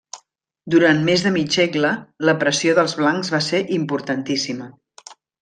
Durant més de mig segle, la pressió dels blancs va ser importantíssima.